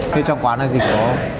thế trong quán này thì có gì